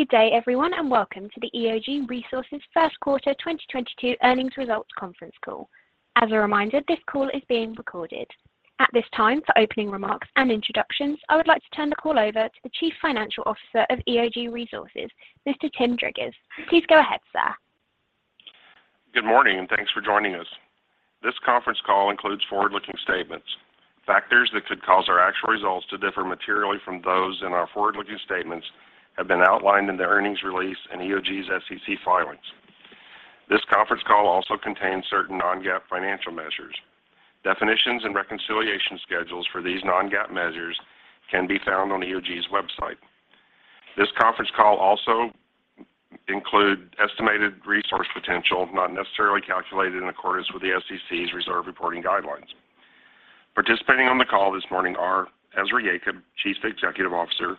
Good day, everyone, and welcome to the EOG Resources first quarter 2022 earnings results conference call. As a reminder, this call is being recorded. At this time, for opening remarks and introductions, I would like to turn the call over to the Chief Financial Officer of EOG Resources, Mr. Tim Driggers. Please go ahead, sir. Good morning, and thanks for joining us. This conference call includes forward-looking statements. Factors that could cause our actual results to differ materially from those in our forward-looking statements have been outlined in the earnings release in EOG's SEC filings. This conference call also contains certain non-GAAP financial measures. Definitions and reconciliation schedules for these non-GAAP measures can be found on EOG's website. This conference call also include estimated resource potential, not necessarily calculated in accordance with the SEC's reserve reporting guidelines. Participating on the call this morning are Ezra Yacob, Chief Executive Officer,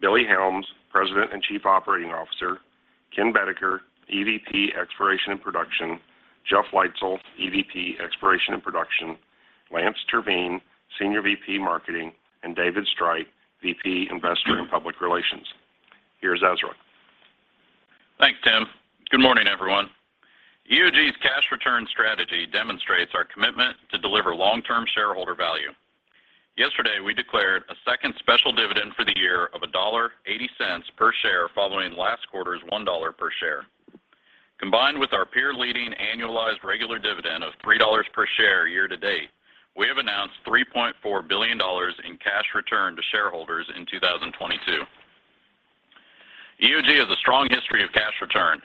Billy Helms, President and Chief Operating Officer, Ken Boedeker, EVP, Exploration and Production, Jeff Leitzell, EVP, Exploration and Production, Lance Terveen, Senior VP, Marketing, and David Streit, VP, Investor and Public Relations. Here's Ezra. Thanks, Tim. Good morning, everyone. EOG's cash return strategy demonstrates our commitment to deliver long-term shareholder value. Yesterday, we declared a second special dividend for the year of $1.80 per share following last quarter's $1 per share. Combined with our peer-leading annualized regular dividend of $3 per share year to date, we have announced $3.4 billion in cash return to shareholders in 2022. EOG has a strong history of cash return.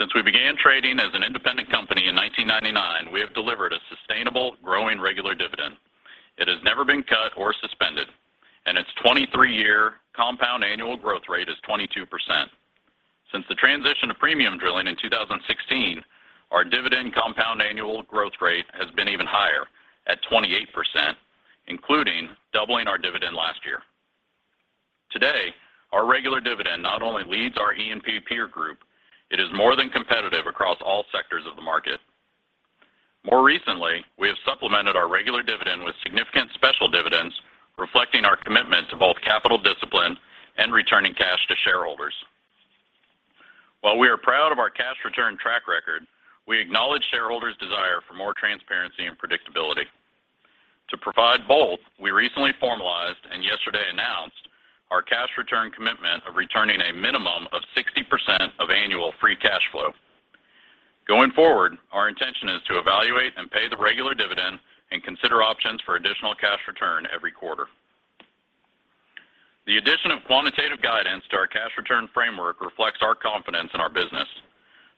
Since we began trading as an independent company in 1999, we have delivered a sustainable, growing regular dividend. It has never been cut or suspended, and its 23-year compound annual growth rate is 22%. Since the transition to premium drilling in 2016, our dividend compound annual growth rate has been even higher at 28%, including doubling our dividend last year. Today, our regular dividend not only leads our E&P peer group, it is more than competitive across all sectors of the market. More recently, we have supplemented our regular dividend with significant special dividends, reflecting our commitment to both capital discipline and returning cash to shareholders. While we are proud of our cash return track record, we acknowledge shareholders' desire for more transparency and predictability. To provide both, we recently formalized and yesterday announced our cash return commitment of returning a minimum of 60% of annual free cash flow. Going forward, our intention is to evaluate and pay the regular dividend and consider options for additional cash return every quarter. The addition of quantitative guidance to our cash return framework reflects our confidence in our business.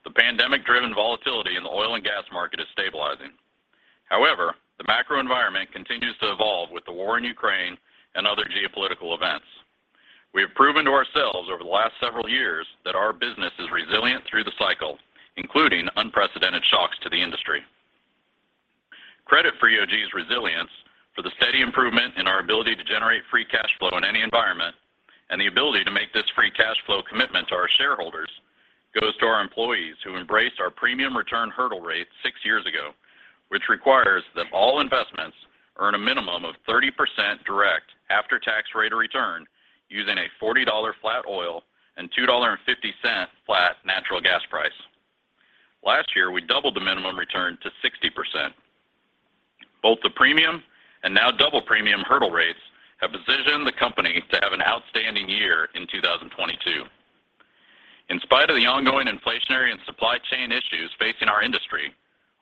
The pandemic-driven volatility in the oil and gas market is stabilizing. However, the macro environment continues to evolve with the war in Ukraine and other geopolitical events. We have proven to ourselves over the last several years that our business is resilient through the cycle, including unprecedented shocks to the industry. Credit for EOG's resilience for the steady improvement in our ability to generate free cash flow in any environment and the ability to make this free cash flow commitment to our shareholders goes to our employees who embraced our premium return hurdle rate six years ago, which requires that all investments earn a minimum of 30% direct after-tax rate of return using a $40 flat oil and $2.50 flat natural gas price. Last year, we doubled the minimum return to 60%. Both the premium and now double premium hurdle rates have positioned the company to have an outstanding year in 2022. In spite of the ongoing inflationary and supply chain issues facing our industry,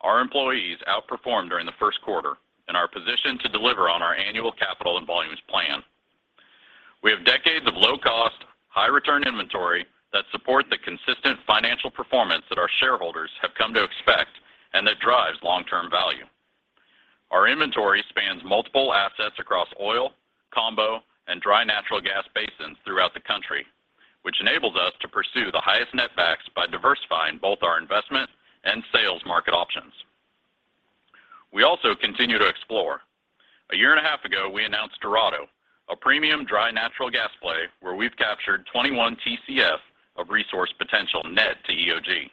our employees outperformed during the first quarter and are positioned to deliver on our annual capital and volumes plan. We have decades of low cost, high return inventory that support the consistent financial performance that our shareholders have come to expect and that drives long-term value. Our inventory spans multiple assets across oil, combo, and dry natural gas basins throughout the country, which enables us to pursue the highest netbacks by diversifying both our investment and sales market options. We also continue to explore. A year and a half ago, we announced Dorado, a premium dry natural gas play where we've captured 21 TcF of resource potential net to EOG.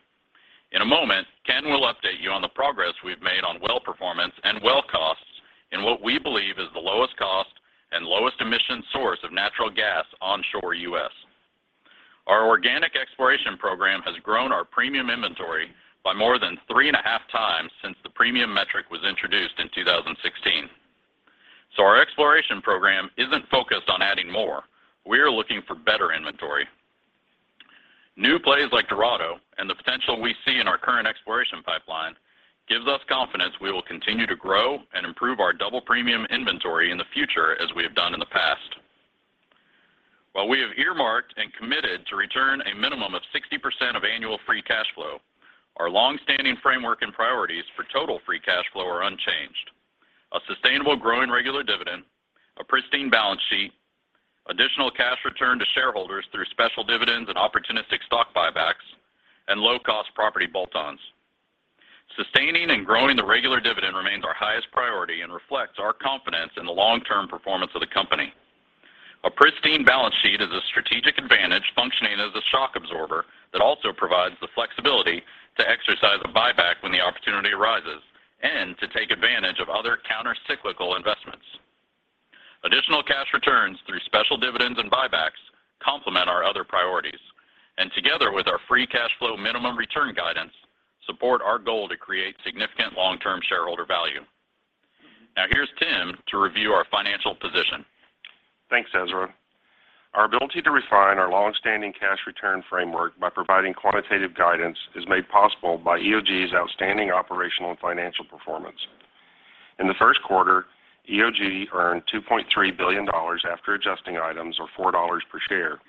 In a moment, Ken will update you on the progress we've made on well performance and well costs in what we believe is the lowest cost and lowest emission source of natural gas onshore U.S. Our organic exploration program has grown our premium inventory by more than 3.5x since the premium metric was introduced in 2016. Our exploration program isn't focused on adding more. We are looking for better inventory. New plays like Dorado and the potential we see in our current exploration pipeline gives us confidence we will continue to grow and improve our double premium inventory in the future as we have done in the past. While we have earmarked and committed to return a minimum of 60% of annual free cash flow, our long-standing framework and priorities for total free cash flow are unchanged. A sustainable growing regular dividend, a pristine balance sheet, additional cash returned to shareholders through special dividends and opportunistic stock buybacks, and low-cost property bolt-ons. Sustaining and growing the regular dividend remains our highest priority and reflects our confidence in the long-term performance of the company. A pristine balance sheet is a strategic advantage functioning as a shock absorber. Critical investments. Additional cash returns through special dividends and buybacks complement our other priorities, and together with our free cash flow minimum return guidance, support our goal to create significant long-term shareholder value. Now here's Tim to review our financial position. Thanks, Ezra. Our ability to refine our long-standing cash return framework by providing quantitative guidance is made possible by EOG's outstanding operational and financial performance. In the first quarter, EOG earned $2.3 billion after adjusting items or $4 per share.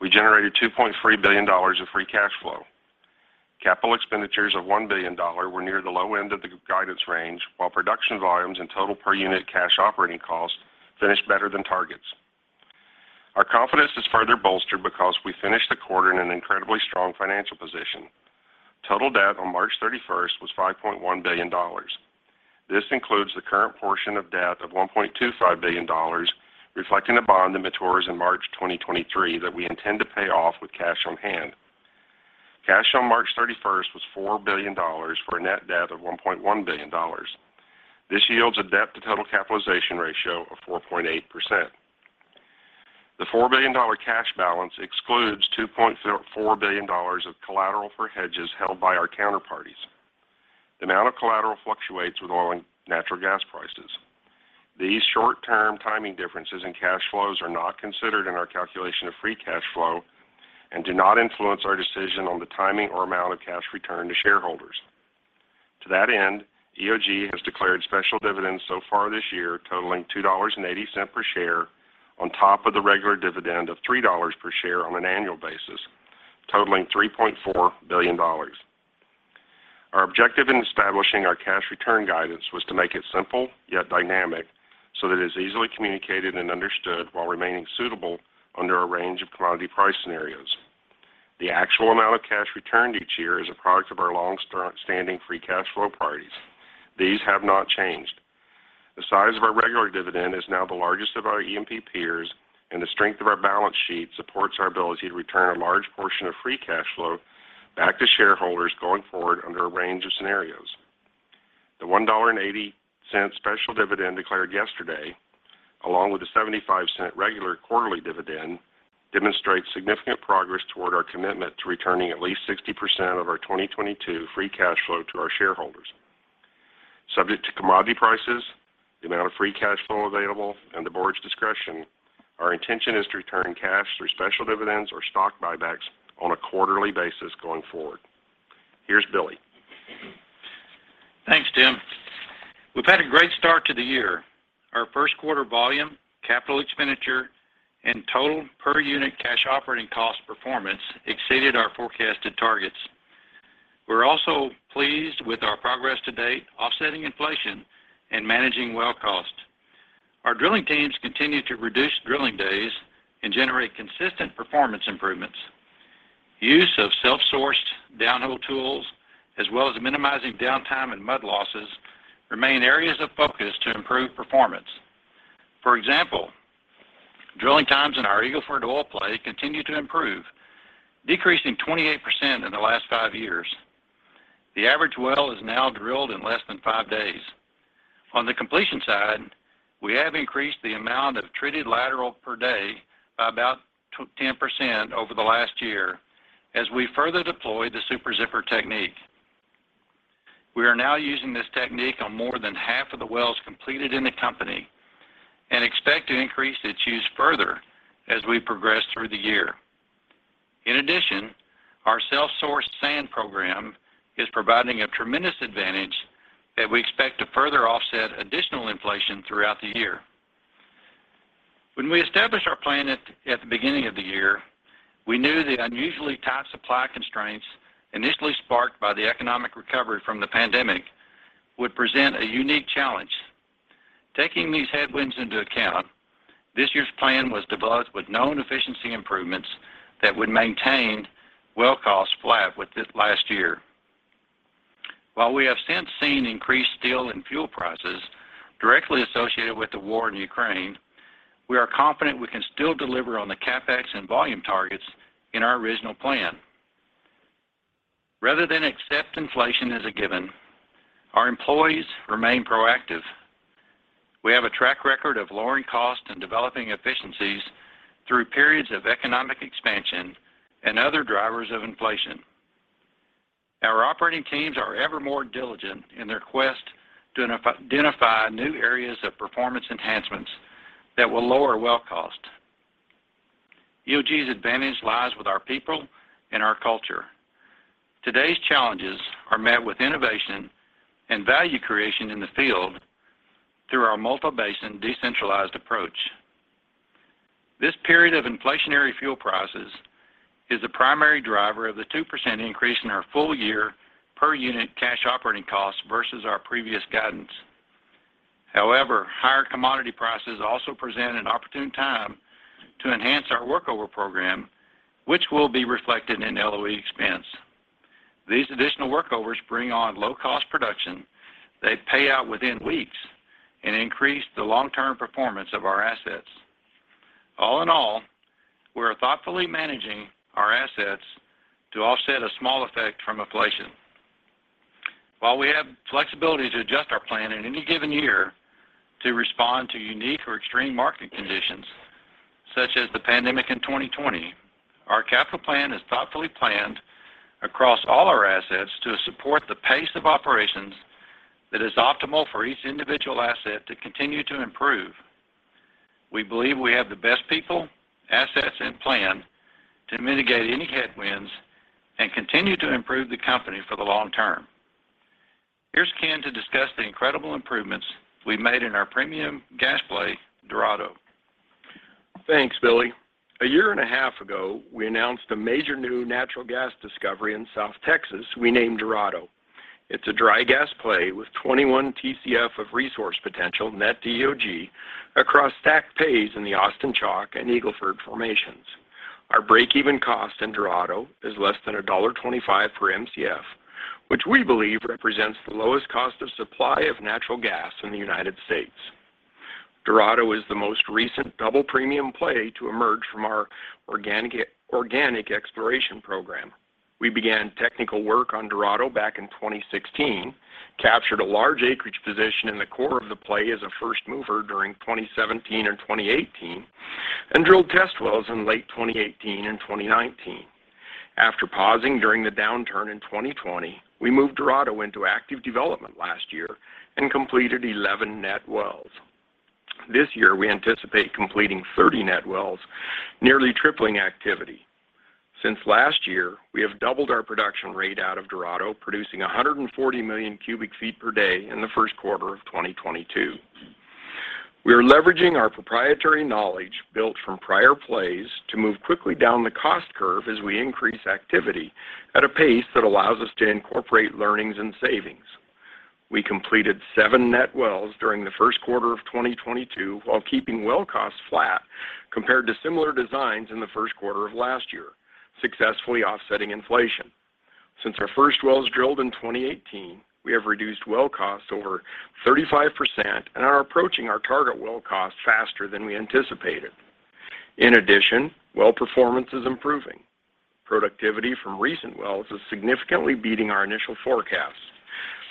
We generated $2.3 billion of free cash flow. Capital expenditures of $1 billion were near the low end of the guidance range, while production volumes and total per unit cash operating costs finished better than targets. Our confidence is further bolstered because we finished the quarter in an incredibly strong financial position. Total debt on March 31st was $5.1 billion. This includes the current portion of debt of $1.25 billion, reflecting a bond that matures in March 2023 that we intend to pay off with cash on hand. Cash on March 31st was $4 billion for a net debt of $1.1 billion. This yields a debt-to-total capitalization ratio of 4.8%. The $4 billion cash balance excludes $2.4 billion of collateral for hedges held by our counterparties. The amount of collateral fluctuates with oil and natural gas prices. These short-term timing differences in cash flows are not considered in our calculation of free cash flow and do not influence our decision on the timing or amount of cash returned to shareholders. To that end, EOG has declared special dividends so far this year, totaling $2 and eighty cents per share on top of the regular dividend of $3 per share on an annual basis, totaling $3.4 billion. Our objective in establishing our cash return guidance was to make it simple yet dynamic so that it is easily communicated and understood while remaining suitable under a range of commodity price scenarios. The actual amount of cash returned each year is a product of our long-standing free cash flow priorities. These have not changed. The size of our regular dividend is now the largest of our E&P peers, and the strength of our balance sheet supports our ability to return a large portion of free cash flow back to shareholders going forward under a range of scenarios. The $1.80 special dividend declared yesterday, along with the $0.75 regular quarterly dividend, demonstrates significant progress toward our commitment to returning at least 60% of our 2022 free cash flow to our shareholders. Subject to commodity prices, the amount of free cash flow available, and the board's discretion, our intention is to return cash through special dividends or stock buybacks on a quarterly basis going forward. Here's Billy. Thanks, Tim. We've had a great start to the year. Our first quarter volume, capital expenditure, and total per unit cash operating cost performance exceeded our forecasted targets. We're also pleased with our progress to date, offsetting inflation and managing well cost. Our drilling teams continue to reduce drilling days and generate consistent performance improvements. Use of self-sourced downhole tools, as well as minimizing downtime and mud losses, remain areas of focus to improve performance. For example, drilling times in our Eagle Ford oil play continue to improve, decreasing 28% in the last five years. The average well is now drilled in less than five days. On the completion side, we have increased the amount of treated lateral per day by about 10% over the last year as we further deploy the Super Zipper technique. We are now using this technique on more than half of the wells completed in the company and expect to increase its use further as we progress through the year. In addition, our self-sourced sand program is providing a tremendous advantage that we expect to further offset additional inflation throughout the year. When we established our plan at the beginning of the year, we knew the unusually tight supply constraints, initially sparked by the economic recovery from the pandemic, would present a unique challenge. Taking these headwinds into account, this year's plan was developed with known efficiency improvements that would maintain well costs flat with last year. While we have since seen increased steel and fuel prices directly associated with the war in Ukraine, we are confident we can still deliver on the CapEx and volume targets in our original plan. Rather than accept inflation as a given, our employees remain proactive. We have a track record of lowering costs and developing efficiencies through periods of economic expansion and other drivers of inflation. Our operating teams are ever more diligent in their quest to identify new areas of performance enhancements that will lower well cost. EOG's advantage lies with our people and our culture. Today's challenges are met with innovation and value creation in the field through our multi-basin decentralized approach. This period of inflationary fuel prices is a primary driver of the 2% increase in our full year per unit cash operating costs versus our previous guidance. However, higher commodity prices also present an opportune time to enhance our workover program, which will be reflected in LOE expense. These additional workovers bring on low-cost production. They pay out within weeks and increase the long-term performance of our assets. All in all, we are thoughtfully managing our assets to offset a small effect from inflation. While we have flexibility to adjust our plan in any given year to respond to unique or extreme market conditions such as the pandemic in 2020, our capital plan is thoughtfully planned across all our assets to support the pace of operations that is optimal for each individual asset to continue to improve. We believe we have the best people, assets, and plan to mitigate any headwinds and continue to improve the company for the long term. Here's Ken to discuss the incredible improvements we've made in our premium gas play, Dorado. Thanks, Billy. A year and a half ago, we announced a major new natural gas discovery in South Texas we named Dorado. It's a dry gas play with 21 TcF of resource potential net to EOG across stacked pays in the Austin Chalk and Eagle Ford formations. Our break-even cost in Dorado is less than $1.25 per Mcf, which we believe represents the lowest cost of supply of natural gas in the United States. Dorado is the most recent double premium play to emerge from our organic ex-organic exploration program. We began technical work on Dorado back in 2016, captured a large acreage position in the core of the play as a first mover during 2017 and 2018, and drilled test wells in late 2018 and 2019. After pausing during the downturn in 2020, we moved Dorado into active development last year and completed 11 net wells. This year, we anticipate completing 30 net wells, nearly tripling activity. Since last year, we have doubled our production rate out of Dorado, producing 140 million cubic feet per day in the first quarter of 2022. We are leveraging our proprietary knowledge built from prior plays to move quickly down the cost curve as we increase activity at a pace that allows us to incorporate learnings and savings. We completed 7 net wells during the first quarter of 2022, while keeping well costs flat compared to similar designs in the first quarter of last year, successfully offsetting inflation. Since our first wells drilled in 2018, we have reduced well costs over 35% and are approaching our target well cost faster than we anticipated. In addition, well performance is improving. Productivity from recent wells is significantly beating our initial forecast.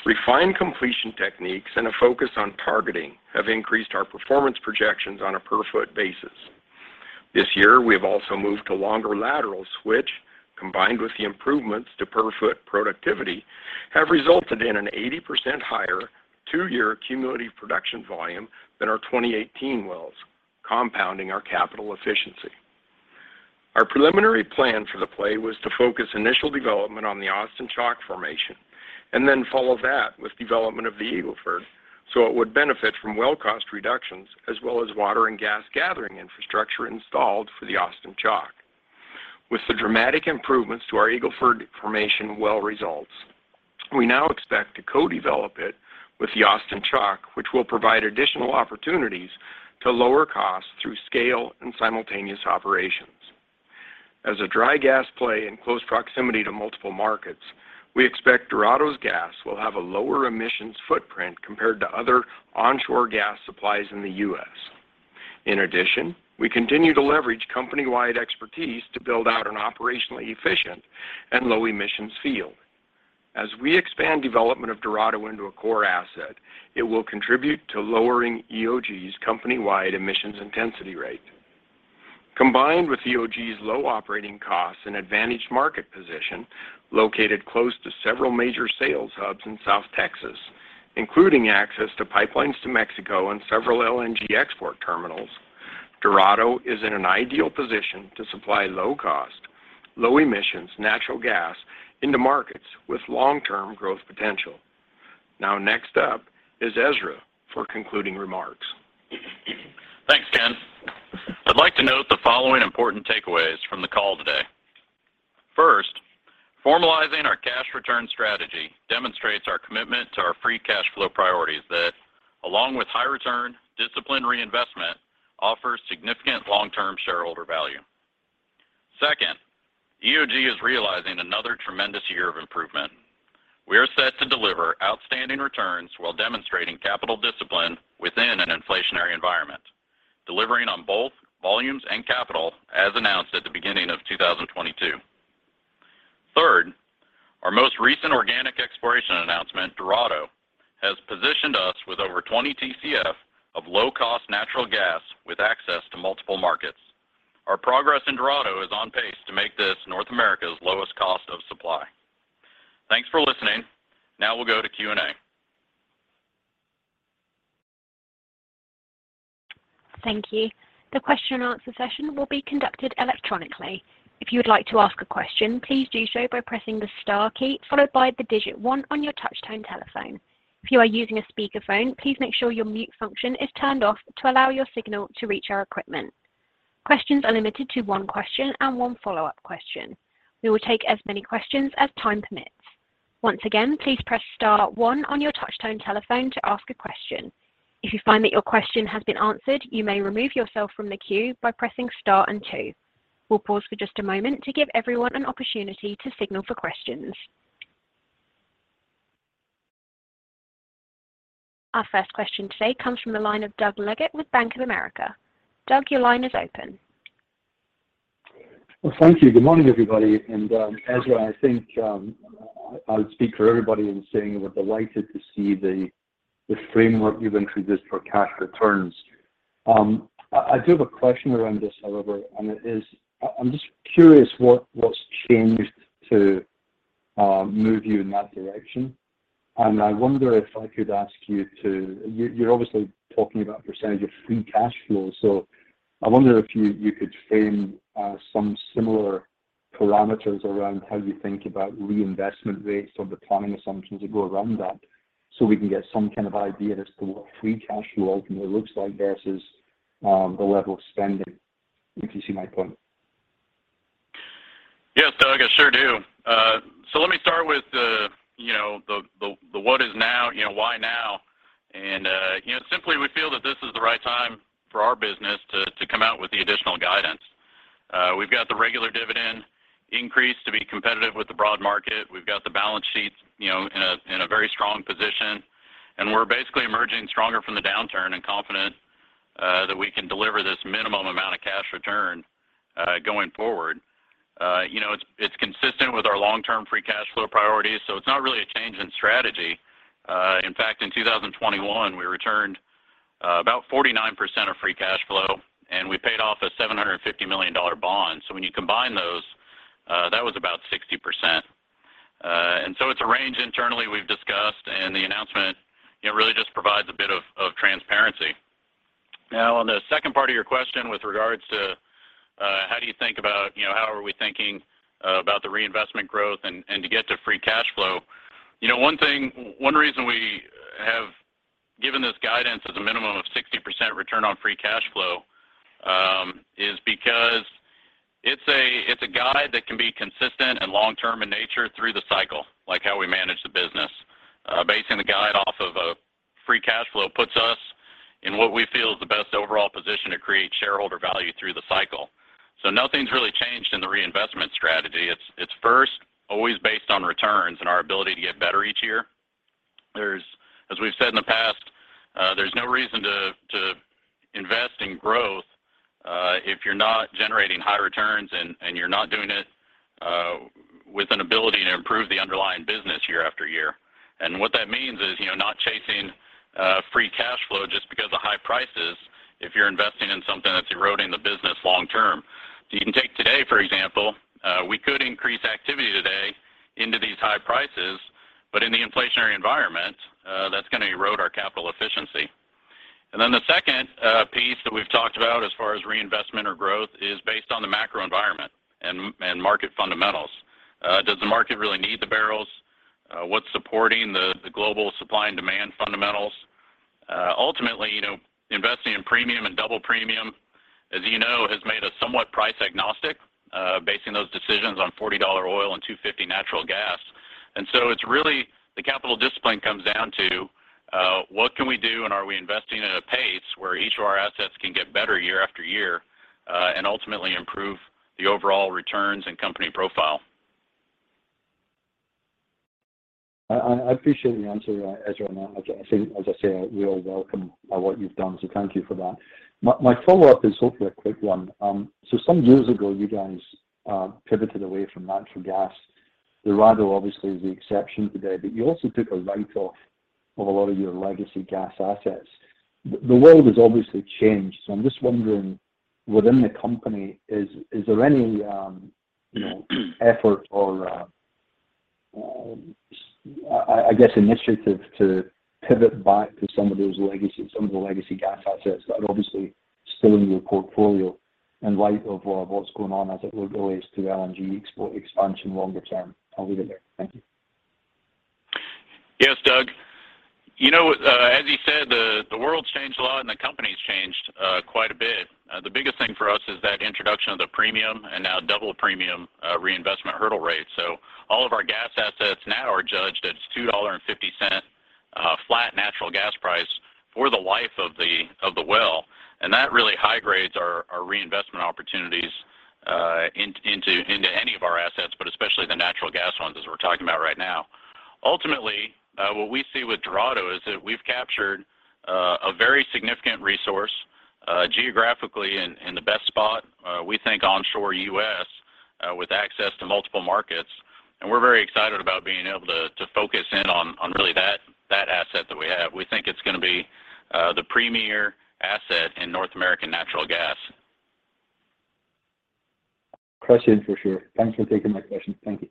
Refined completion techniques and a focus on targeting have increased our performance projections on a per foot basis. This year, we have also moved to longer laterals which, combined with the improvements to per foot productivity, have resulted in an 80% higher two-year cumulative production volume than our 2018 wells, compounding our capital efficiency. Our preliminary plan for the play was to focus initial development on the Austin Chalk formation and then follow that with development of the Eagle Ford, so it would benefit from well cost reductions as well as water and gas gathering infrastructure installed for the Austin Chalk. With the dramatic improvements to our Eagle Ford formation well results, we now expect to co-develop it with the Austin Chalk, which will provide additional opportunities to lower costs through scale and simultaneous operations. As a dry gas play in close proximity to multiple markets, we expect Dorado's gas will have a lower emissions footprint compared to other onshore gas supplies in the U.S. In addition, we continue to leverage company-wide expertise to build out an operationally efficient and low emissions field. As we expand development of Dorado into a core asset, it will contribute to lowering EOG's company-wide emissions intensity rate. Combined with EOG's low operating costs and advantaged market position located close to several major sales hubs in South Texas, including access to pipelines to Mexico and several LNG export terminals, Dorado is in an ideal position to supply low cost, low emissions natural gas into markets with long-term growth potential. Now next up is Ezra for concluding remarks. Thanks, Ken. I'd like to note the following important takeaways from the call today. First, formalizing our cash return strategy demonstrates our commitment to our free cash flow priorities that, along with high return, disciplined reinvestment, offers significant long-term shareholder value. Second, EOG is realizing another tremendous year of improvement. We are set to deliver outstanding returns while demonstrating capital discipline within an inflationary environment, delivering on both volumes and capital as announced at the beginning of 2022. Third, our most recent organic exploration announcement, Dorado, has positioned us with over 20 TcF of low-cost natural gas with access to multiple markets. Our progress in Dorado is on pace to make this North America's lowest cost of supply. Thanks for listening. Now we'll go to Q&A. Thank you. The question and answer session will be conducted electronically. If you would like to ask a question, please do so by pressing the star key followed by the digit one on your touch tone telephone. If you are using a speakerphone, please make sure your mute function is turned off to allow your signal to reach our equipment. Questions are limited to one question and one follow-up question. We will take as many questions as time permits. Once again, please press star one on your touch tone telephone to ask a question. If you find that your question has been answered, you may remove yourself from the queue by pressing star and two. We'll pause for just a moment to give everyone an opportunity to signal for questions. Our first question today comes from the line of Doug Leggate with Bank of America. Doug, your line is open. Well, thank you. Good morning, everybody. Ezra, I think I'll speak for everybody in saying we're delighted to see the framework you've introduced for cash returns. I do have a question around this, however, and it is, I'm just curious what's changed to move you in that direction. I wonder if I could ask you. You're obviously talking about percentage of free cash flow. I wonder if you could frame some similar parameters around how you think about reinvestment rates or the planning assumptions that go around that, so we can get some kind of idea as to what free cash flow ultimately looks like versus the level of spending. If you see my point. Yes, Doug, I sure do. Let me start with, you know, why now? Simply we feel that this is the right time for our business to come out with the additional guidance. We've got the regular dividend increase to be competitive with the broad market. We've got the balance sheets, you know, in a very strong position. We're basically emerging stronger from the downturn and confident that we can deliver this minimum amount of cash return going forward. You know, it's consistent with our long-term free cash flow priorities, so it's not really a change in strategy. In fact, in 2021, we returned about 49% of free cash flow, and we paid off a $750 million bond. When you combine those, that was about 60%. It's a range internally we've discussed, and the announcement, you know, really just provides a bit of transparency. Now, on the second part of your question with regards to how do you think about, you know, how are we thinking about the reinvestment growth and to get to free cash flow. You know, one thing, one reason we have given this guidance as a minimum of 60% return on free cash flow is because it's a guide that can be consistent and long-term in nature through the cycle, like how we manage the business. Basing the guide off of a free cash flow puts us in what we feel is the best overall position to create shareholder value through the cycle. Nothing's really changed in the reinvestment strategy. It's first always based on returns and our ability to get better each year. As we've said in the past, there's no reason to invest in growth if you're not generating high returns and you're not doing it with an ability to improve the underlying business year after year. What that means is, you know, not chasing free cash flow just because of high prices if you're investing in something that's eroding the business long term. You can take today, for example. We could increase activity today into these high prices, but in the inflationary environment, that's gonna erode our capital efficiency. Then the second piece that we've talked about as far as reinvestment or growth is based on the macro environment and market fundamentals. Does the market really need the barrels? What's supporting the global supply and demand fundamentals? Ultimately, you know, investing in premium and double premium, as you know, has made us somewhat price agnostic, basing those decisions on $40 oil and $2.50 natural gas. It's really the capital discipline comes down to what can we do and are we investing at a pace where each of our assets can get better year after year, and ultimately improve the overall returns and company profile. I appreciate the answer, Ezra. I think as I say, we all welcome what you've done, so thank you for that. My follow-up is hopefully a quick one. Some years ago, you guys pivoted away from natural gas. Dorado obviously is the exception today, but you also took a write off of a lot of your legacy gas assets. The world has obviously changed, so I'm just wondering within the company, is there any, you know, effort or, I guess initiative to pivot back to some of those legacy gas assets that are obviously still in your portfolio in light of what's going on as it relates to LNG export expansion longer term? I'll leave it there. Thank you. Yes, Doug. You know, as you said, the world's changed a lot and the company's changed quite a bit. The biggest thing for us is that introduction of the premium and now double premium reinvestment hurdle rate. All of our gas assets now are judged at $2.50 flat natural gas price for the life of the well. That really high grades our reinvestment opportunities into any of our assets, but especially the natural gas ones as we're talking about right now. Ultimately, what we see with Dorado is that we've captured a very significant resource geographically in the best spot we think onshore U.S. with access to multiple markets. We're very excited about being able to focus in on really that asset that we have. We think it's gonna be the premier asset in North American natural gas. Question for sure. Thanks for taking my question. Thank you.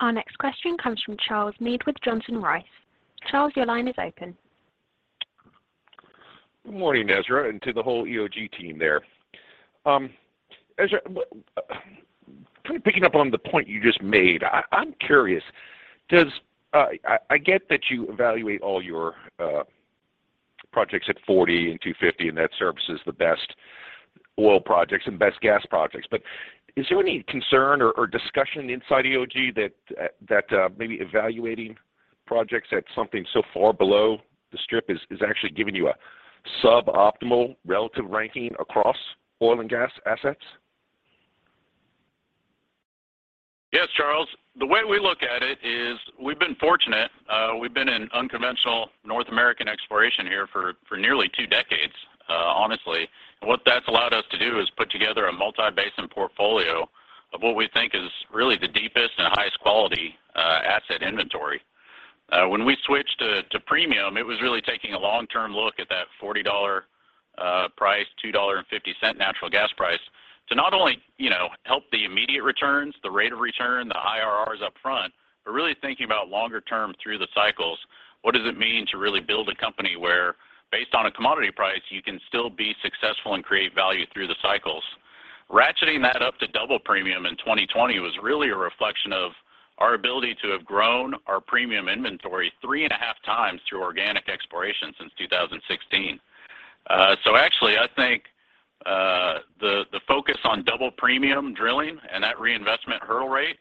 Our next question comes from Charles Mead with Johnson Rice & Company. Charles, your line is open. Good morning, Ezra, and to the whole EOG team there. Ezra, kind of picking up on the point you just made, I'm curious. I get that you evaluate all your projects at $40 and $2.50, and that sorts the best oil projects and best gas projects. Is there any concern or discussion inside EOG that maybe evaluating projects at something so far below the strip is actually giving you a suboptimal relative ranking across oil and gas assets? Yes, Charles. The way we look at it is we've been fortunate. We've been in unconventional North American exploration here for nearly two decades, honestly. What that's allowed us to do is put together a multi-basin portfolio of what we think is really the deepest and highest quality asset inventory. When we switched to premium, it was really taking a long-term look at that $40 price, $2.50 natural gas price to not only, you know, help the immediate returns, the rate of return, the IRRs up front, but really thinking about longer term through the cycles. What does it mean to really build a company where based on a commodity price, you can still be successful and create value through the cycles? Ratcheting that up to double premium in 2020 was really a reflection of our ability to have grown our premium inventory 3.5x through organic exploration since 2016. Actually, I think the focus on double premium drilling and that reinvestment hurdle rate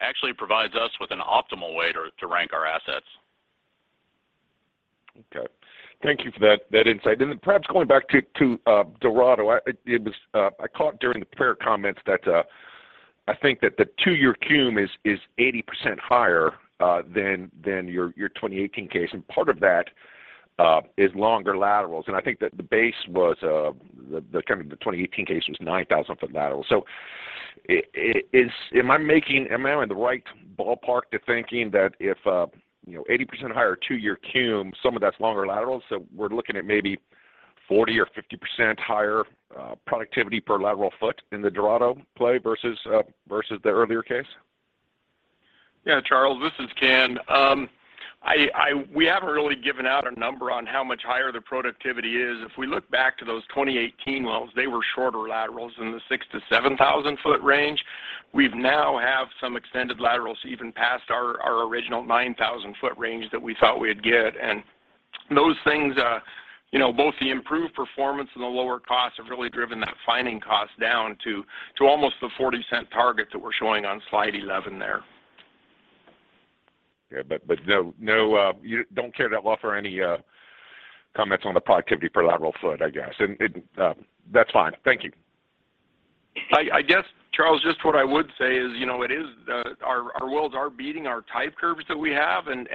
actually provides us with an optimal way to rank our assets. Okay. Thank you for that insight. Perhaps going back to Dorado. I caught during the prepared comments that I think that the two-year Cum is 80% higher than your 2018 case, and part of that is longer laterals. I think that the base was the kind of the 2018 case was 9,000 foot lateral. Am I in the right ballpark thinking that if you know, 80% higher two-year Cum, some of that's longer laterals, so we're looking at maybe 40% or 50% higher productivity per lateral foot in the Dorado play versus the earlier case? Yeah. Charles, this is Ken. We haven't really given out a number on how much higher the productivity is. If we look back to those 2018 wells, they were shorter laterals in the 6,000-7,000-foot range. We've now have some extended laterals even past our original 9,000-foot range that we thought we'd get. Those things, you know, both the improved performance and the lower costs have really driven that finding cost down to almost the $0.40 target that we're showing on slide 11 there. Yeah. No, you don't care to offer any comments on the productivity per lateral foot, I guess. That's fine. Thank you. I guess, Charles, just what I would say is, you know, it is our wells are beating our type curves that we have, and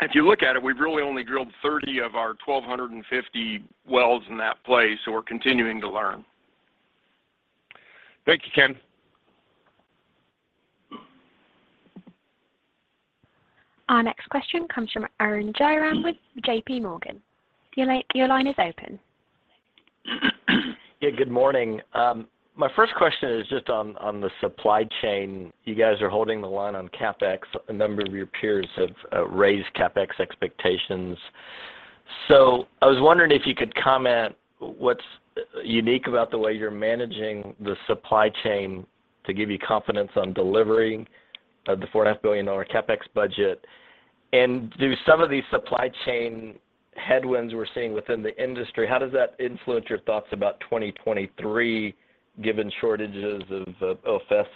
if you look at it, we've really only drilled 30 of our 1,250 wells in that play, so we're continuing to learn. Thank you, Ken. Our next question comes from Arun Jayaram with JPMorgan. Your line is open. Yeah. Good morning. My first question is just on the supply chain. You guys are holding the line on CapEx. A number of your peers have raised CapEx expectations. I was wondering if you could comment what's unique about the way you're managing the supply chain to give you confidence on delivering the $4.5 billion CapEx budget. Do some of these supply chain headwinds we're seeing within the industry influence your thoughts about 2023, given shortages of OFS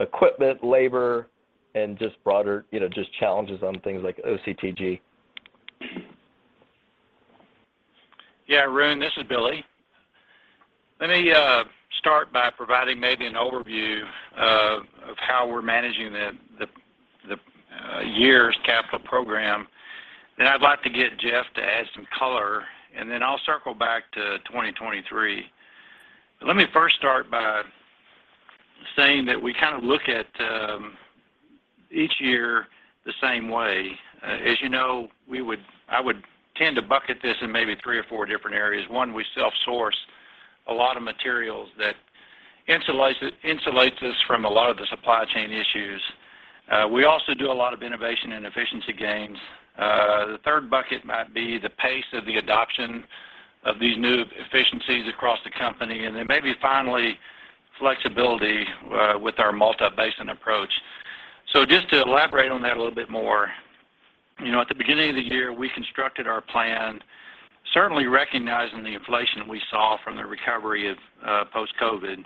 equipment, labor, and just broader, you know, just challenges on things like OCTG? Yeah. Arun, this is Billy. Let me start by providing maybe an overview of how we're managing the year's capital program. Then I'd like to get Jeff to add some color, and then I'll circle back to 2023. Let me first start by saying that we kind of look at each year the same way. As you know, I would tend to bucket this in maybe three or four different areas. One, we self-source a lot of materials that insulates us from a lot of the supply chain issues. We also do a lot of innovation and efficiency gains. The third bucket might be the pace of the adoption of these new efficiencies across the company. Then maybe finally, flexibility with our multi-basin approach. Just to elaborate on that a little bit more, you know, at the beginning of the year, we constructed our plan, certainly recognizing the inflation we saw from the recovery of post-COVID.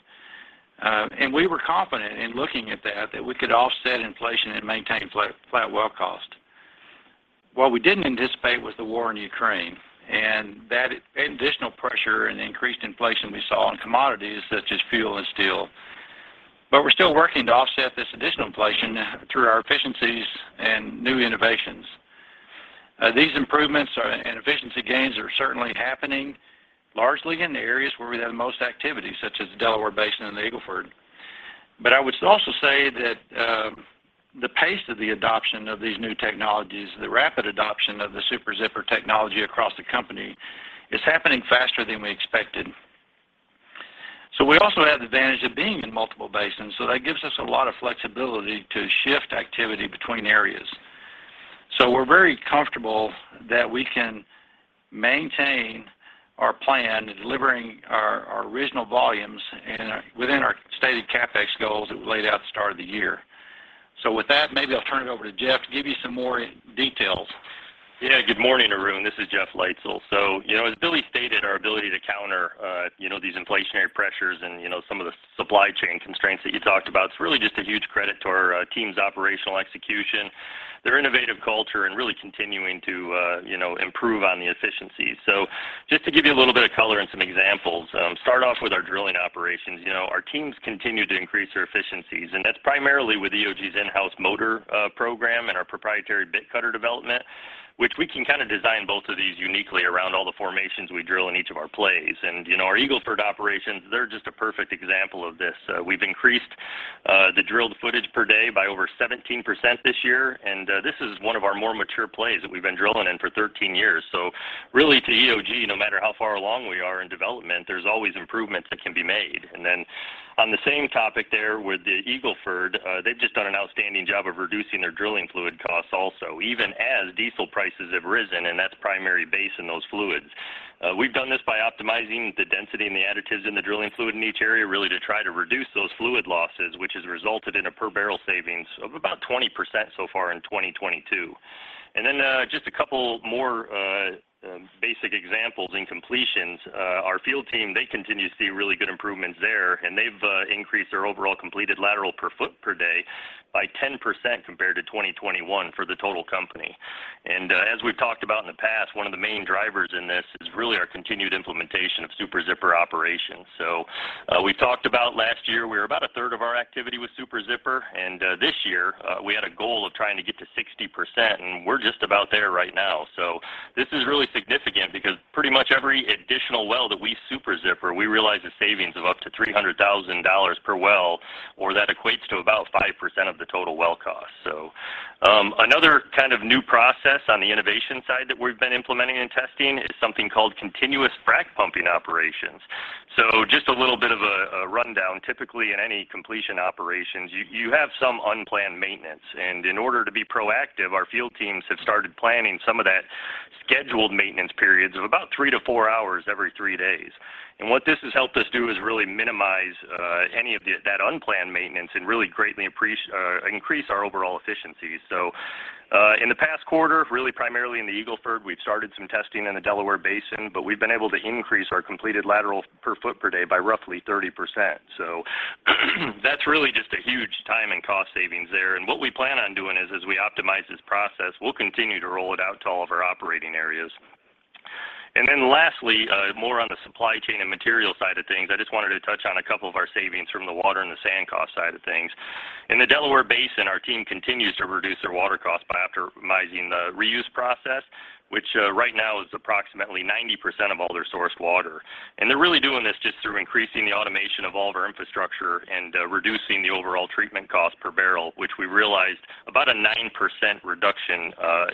We were confident in looking at that that we could offset inflation and maintain flat well cost. What we didn't anticipate was the war in Ukraine and that additional pressure and increased inflation we saw on commodities such as fuel and steel. We're still working to offset this additional inflation through our efficiencies and new innovations. These improvements and efficiency gains are certainly happening largely in the areas where we have the most activity, such as the Delaware Basin and the Eagle Ford. I would also say that the pace of the adoption of these new technologies, the rapid adoption of the Super Zipper technology across the company is happening faster than we expected. We also have the advantage of being in multiple basins, so that gives us a lot of flexibility to shift activity between areas. We're very comfortable that we can maintain our plan in delivering our original volumes within our stated CapEx goals that we laid out at the start of the year. With that, maybe I'll turn it over to Jeff to give you some more details. Yeah. Good morning, Arun. This is Jeff Leitzell. You know, as Billy stated, our ability to counter these inflationary pressures and some of the supply chain constraints that you talked about, it's really just a huge credit to our team's operational execution, their innovative culture, and really continuing to improve on the efficiencies. Just to give you a little bit of color and some examples, start off with our drilling operations. You know, our teams continue to increase their efficiencies, and that's primarily with EOG's in-house motor program and our proprietary bit cutter development, which we can kind of design both of these uniquely around all the formations we drill in each of our plays. You know, our Eagle Ford operations, they're just a perfect example of this. We've increased the drilled footage per day by over 17% this year, and this is one of our more mature plays that we've been drilling in for 13 years. Really to EOG, no matter how far along we are in development, there's always improvements that can be made. On the same topic there with the Eagle Ford, they've just done an outstanding job of reducing their drilling fluid costs also, even as diesel prices have risen, and that's primary base in those fluids. We've done this by optimizing the density and the additives in the drilling fluid in each area, really to try to reduce those fluid losses, which has resulted in a per barrel savings of about 20% so far in 2022. Just a couple more basic examples in completions. Our field team, they continue to see really good improvements there, and they've increased their overall completed lateral per foot per day by 10% compared to 2021 for the total company. As we've talked about in the past, one of the main drivers in this is really our continued implementation of Super Zipper operations. We talked about last year, we were about a third of our activity with Super Zipper, and this year, we had a goal of trying to get to 60%, and we're just about there right now. This is really significant because pretty much every additional well that we Super Zipper, we realize a savings of up to $300,000 per well, or that equates to about 5% of the total well cost. Another kind of new process on the innovation side that we've been implementing and testing is something called continuous frac pumping operations. Just a little bit of a rundown. Typically, in any completion operations, you have some unplanned maintenance, and in order to be proactive, our field teams have started planning some of that scheduled maintenance periods of about three to four hours every three days. What this has helped us do is really minimize any of that unplanned maintenance and really greatly increase our overall efficiency. In the past quarter, really primarily in the Eagle Ford, we've started some testing in the Delaware Basin, but we've been able to increase our completed laterals per foot per day by roughly 30%. That's really just a huge time and cost savings there. What we plan on doing is as we optimize this process, we'll continue to roll it out to all of our operating areas. Then lastly, more on the supply chain and material side of things. I just wanted to touch on a couple of our savings from the water and the sand cost side of things. In the Delaware Basin, our team continues to reduce their water costs by optimizing the reuse process, which, right now is approximately 90% of all their sourced water. They're really doing this just through increasing the automation of all of our infrastructure and, reducing the overall treatment cost per barrel, which we realized about a 9% reduction,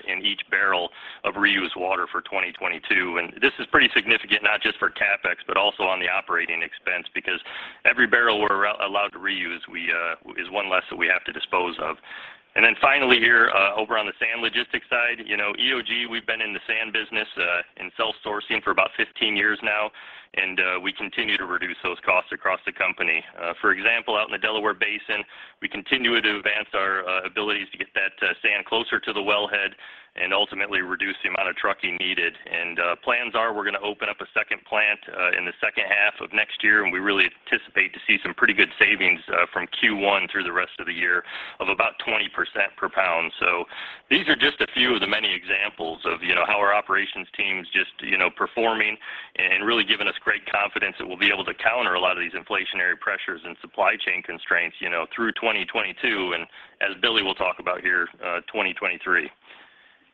in each barrel of reused water for 2022. This is pretty significant, not just for CapEx, but also on the operating expense, because every barrel we're allowed to reuse, we is one less that we have to dispose of. Then finally here, over on the sand logistics side, you know, EOG, we've been in the sand business, in self-sourcing for about 15 years now, and we continue to reduce those costs across the company. For example, out in the Delaware Basin, we continue to advance our abilities to get that sand closer to the wellhead and ultimately reduce the amount of trucking needed. Plans are we're gonna open up a second plant, in the second half of next year, and we really anticipate to see some pretty good savings, from Q1 through the rest of the year of about 20% per pound. These are just a few of the many examples of, you know, how our operations team is just, you know, performing and really giving us great confidence that we'll be able to counter a lot of these inflationary pressures and supply chain constraints, you know, through 2022, and as Billy will talk about here, 2023.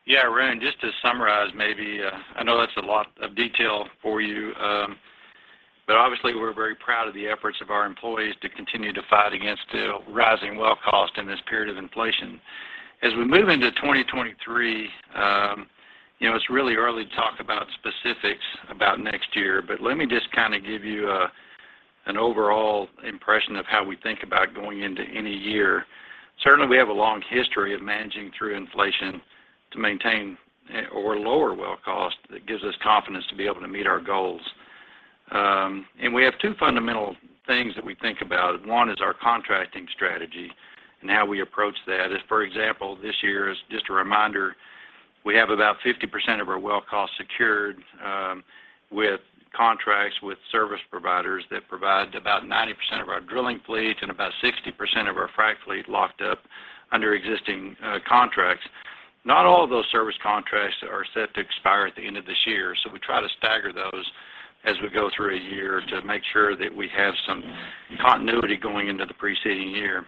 Yeah. Arun, just to summarize, maybe, I know that's a lot of detail for you, but obviously we're very proud of the efforts of our employees to continue to fight against the rising well cost in this period of inflation. As we move into 2023, you know, it's really early to talk about specifics about next year, but let me just kind of give you a, an overall impression of how we think about going into any year. Certainly, we have a long history of managing through inflation to maintain or lower well cost that gives us confidence to be able to meet our goals. We have two fundamental things that we think about. One is our contracting strategy and how we approach that. For example, this year, as just a reminder, we have about 50% of our well cost secured with contracts with service providers that provide about 90% of our drilling fleet and about 60% of our frac fleet locked up under existing contracts. Not all of those service contracts are set to expire at the end of this year, so we try to stagger those as we go through a year to make sure that we have some continuity going into the preceding year.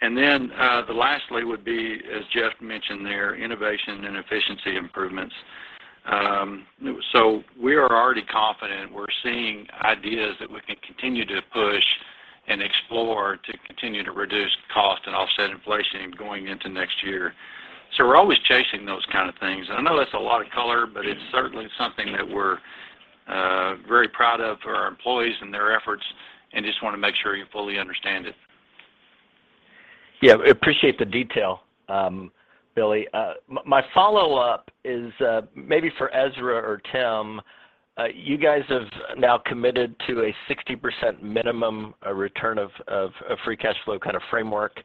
The lastly would be, as Jeff Leitzel mentioned there, innovation and efficiency improvements. We are already confident. We're seeing ideas that we can continue to push and explore to continue to reduce cost and offset inflation going into next year. We're always chasing those kind of things. I know that's a lot of color, but it's certainly something that we're very proud of for our employees and their efforts, and just wanna make sure you fully understand it. Yeah. Appreciate the detail, Billy. My follow-up is, maybe for Ezra or Tim. You guys have now committed to a 60% minimum, a return of free cash flow kind of framework.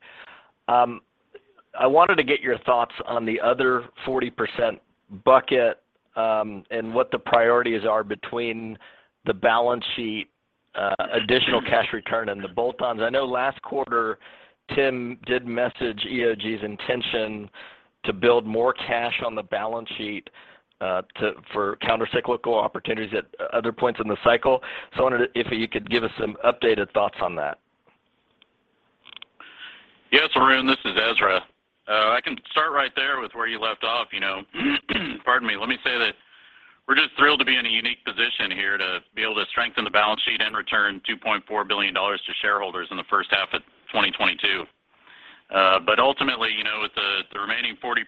I wanted to get your thoughts on the other 40% bucket, and what the priorities are between the balance sheet, additional cash return and the bolt-ons. I know last quarter, Tim did message EOG's intention to build more cash on the balance sheet, for counter-cyclical opportunities at other points in the cycle. I wondered if you could give us some updated thoughts on that. Yes, Arun, this is Ezra. I can start right there with where you left off, you know? Pardon me. Let me say that we're just thrilled to be in a unique position here to be able to strengthen the balance sheet and return $2.4 billion to shareholders in the first half of 2022. Ultimately, you know, with the remaining 40%,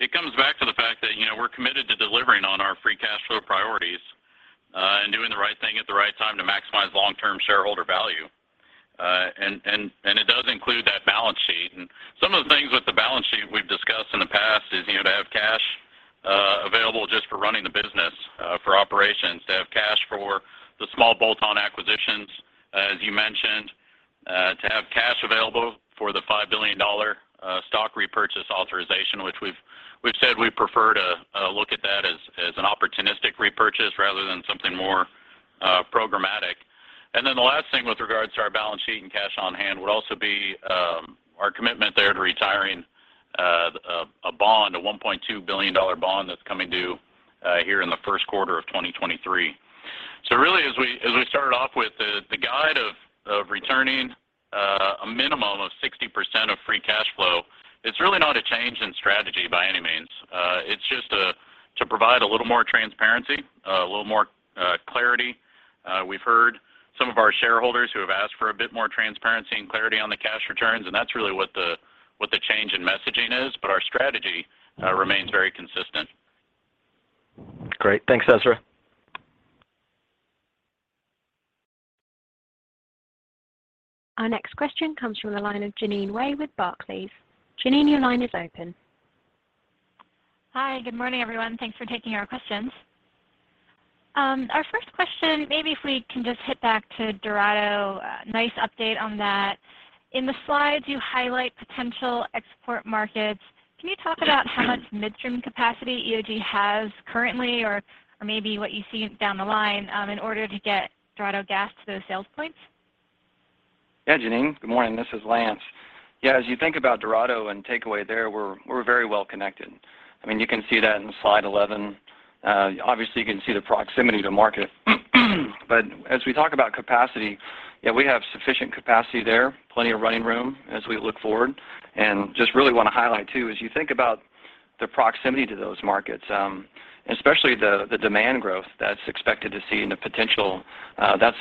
it comes back to the fact that, you know, we're committed to delivering on our free cash flow priorities, and doing the right thing at the right time to maximize long-term shareholder value. And it does include that balance sheet. Some of the things with the balance sheet we've discussed in the past is, you know, to have cash available just for running the business, for operations, to have cash for the small bolt-on acquisitions, as you mentioned, to have cash available for the $5 billion stock repurchase authorization, which we've said we prefer to look at that as an opportunistic repurchase rather than something more programmatic. The last thing with regards to our balance sheet and cash on hand would also be our commitment there to retiring a bond, a $1.2 billion bond that's coming due here in the first quarter of 2023. Really, as we started off with the guide of returning a minimum of 60% of free cash flow, it's really not a change in strategy by any means. It's just to provide a little more transparency, a little more clarity. We've heard some of our shareholders who have asked for a bit more transparency and clarity on the cash returns, and that's really what the change in messaging is, but our strategy remains very consistent. Great. Thanks, Ezra. Our next question comes from the line of Jeanine Wai with Barclays. Jeanine, your line is open. Hi. Good morning, everyone. Thanks for taking our questions. Our first question, maybe if we can just hit back to Dorado. Nice update on that. In the slides, you highlight potential export markets. Can you talk about how much midstream capacity EOG has currently or maybe what you see down the line, in order to get Dorado gas to those sales points? Yeah, Jeanine. Good morning. This is Lance. Yeah, as you think about Dorado and takeaway there, we're very well connected. I mean, you can see that in slide 11. Obviously, you can see the proximity to market. As we talk about capacity, yeah, we have sufficient capacity there, plenty of running room as we look forward. Just really want to highlight, too, as you think about the proximity to those markets, especially the demand growth that's expected to see and the potential, that's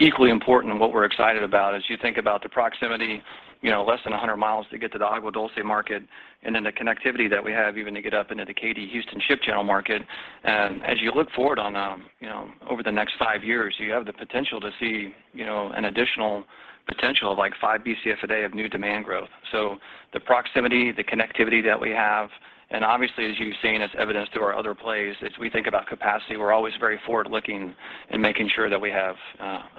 equally important and what we're excited about. As you think about the proximity, you know, less than 100 miles to get to the Agua Dulce market and then the connectivity that we have even to get up into the Katy Houston Ship Channel market. As you look forward on, you know, over the next five years, you have the potential to see, you know, an additional potential of, like, 5 BCF a day of new demand growth. The proximity, the connectivity that we have, and obviously, as you've seen, as evidenced through our other plays, as we think about capacity, we're always very forward-looking in making sure that we have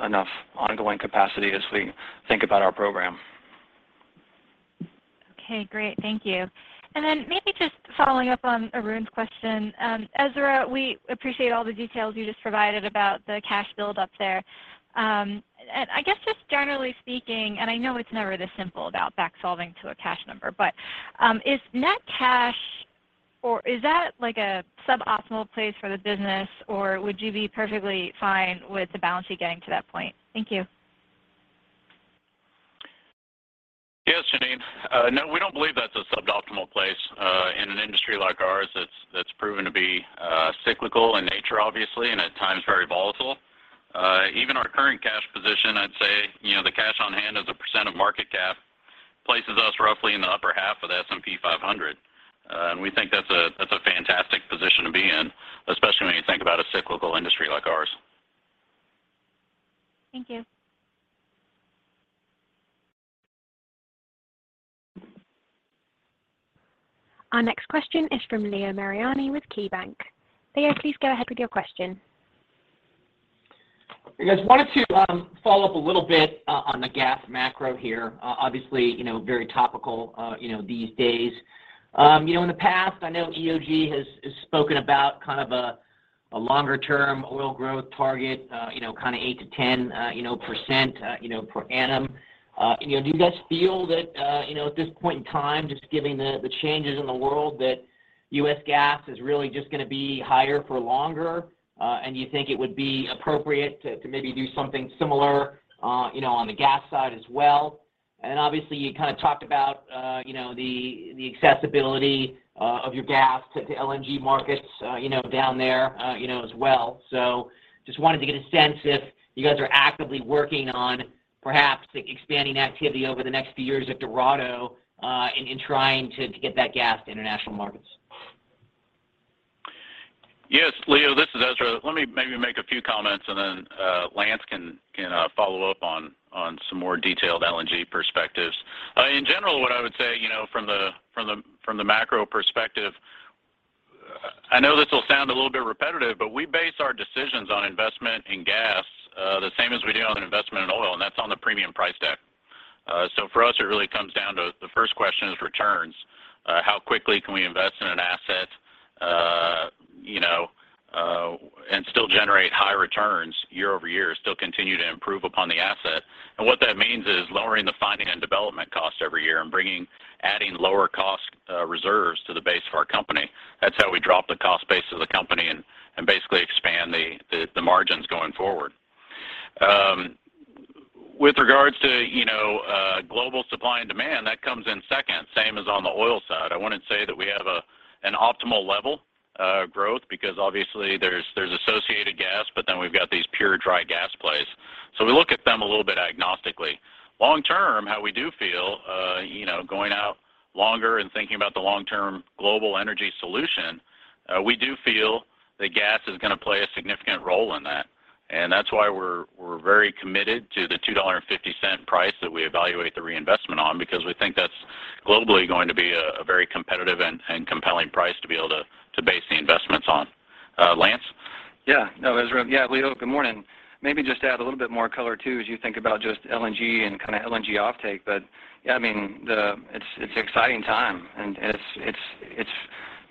enough ongoing capacity as we think about our program. Okay, great. Thank you. Maybe just following up on Arun's question. Ezra, we appreciate all the details you just provided about the cash build up there. I guess just generally speaking, and I know it's never this simple about back-solving to a cash number, but, is net cash or is that like a suboptimal place for the business, or would you be perfectly fine with the balance sheet getting to that point? Thank you. Yes, Jeanine. No, we don't believe that's a suboptimal place in an industry like ours that's proven to be cyclical in nature, obviously, and at times very volatile. Even our current cash position, I'd say, you know, the cash on hand as a percent of market cap places us roughly in the upper half of the S&P 500. We think that's a fantastic position to be in, especially when you think about a cyclical industry like ours. Thank you. Our next question is from Leo Mariani with KeyBanc. Leo, please go ahead with your question. I just wanted to follow up a little bit on the gas macro here. Obviously, you know, very topical, you know, these days. You know, in the past, I know EOG has spoken about kind of a longer-term oil growth target, you know, kind of 8%-10% per annum. You know, do you guys feel that, you know, at this point in time, just given the changes in the world that U.S. gas is really just gonna be higher for longer, and you think it would be appropriate to maybe do something similar, you know, on the gas side as well? Obviously, you kind of talked about you know the accessibility of your gas to LNG markets you know down there you know as well. Just wanted to get a sense if you guys are actively working on perhaps expanding activity over the next few years at Dorado in trying to get that gas to international markets. Yes, Leo, this is Ezra. Let me maybe make a few comments and then, Lance can follow up on some more detailed LNG perspectives. In general, what I would say, you know, from the macro perspective, I know this will sound a little bit repetitive, but we base our decisions on investment in gas, the same as we do on investment in oil, and that's on the premium price deck. For us, it really comes down to the first question is returns. How quickly can we invest in an asset, you know, and still generate high returns year over year, still continue to improve upon the asset? What that means is lowering the finding and development costs every year and adding lower cost reserves to the base of our company. That's how we drop the cost base of the company and basically expand the margins going forward. With regards to, you know, global supply and demand, that comes in second, same as on the oil side. I wouldn't say that we have an optimal level growth because obviously there's associated gas, but then we've got these pure dry gas plays. We look at them a little bit agnostically. Long-term, how we do feel, you know, going out longer and thinking about the long-term global energy solution, we do feel that gas is gonna play a significant role in that. That's why we're very committed to the $2.50 price that we evaluate the reinvestment on because we think that's globally going to be a very competitive and compelling price to be able to base the investments on. Lance? Yeah. No, Ezra. Yeah, Leo, good morning. Maybe just to add a little bit more color, too, as you think about just LNG and kinda LNG offtake. Yeah, I mean, it's exciting time, and it's